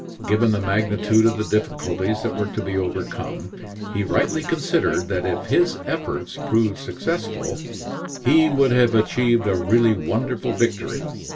Given the magnitude of the difficulties that were to be overcome, he rightly considered that if his efforts proved successful, he would have achieved a really wonderful victory.